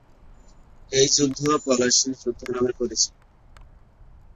এই যুদ্ধ পলাশীর যুদ্ধ নামে পরিচিত।